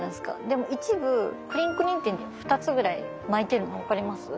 でも一部クリンクリンっていうの２つぐらい巻いてるの分かります？